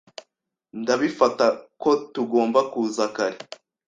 Ndabifata ko tugomba kuza kare.